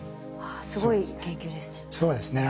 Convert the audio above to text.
すごい研究ですね。